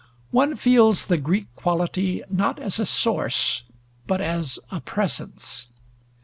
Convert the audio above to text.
One feels the Greek quality not as a source but as a presence.